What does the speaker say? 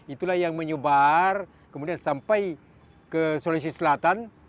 itulah yang menyebar kemudian sampai ke sulawesi selatan